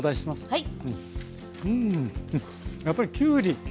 はい。